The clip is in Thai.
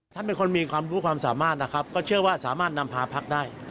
ท่านเป็นคนมีความรู้ความสามารถนะครับก็เชื่อว่าสามารถนำพาพักได้